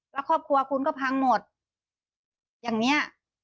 แล้วครอบครัวคุณก็พังหมดอย่างนี้